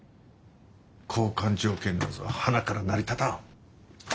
交換条件なぞはなから成り立たん。